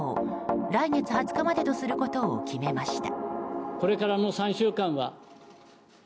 来月２０日までとすることを決めました。